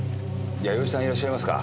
弥生さんいらっしゃいますか？